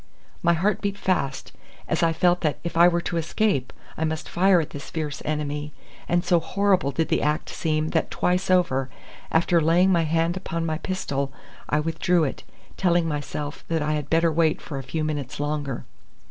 My heart beat fast as I felt that if I were to escape I must fire at this fierce enemy, and so horrible did the act seem that twice over, after laying my hand upon my pistol, I withdrew it, telling myself that I had better wait for a few minutes longer.